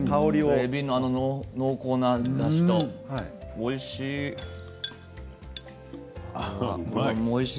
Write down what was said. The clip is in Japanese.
えびの濃厚なだしと、おいしい。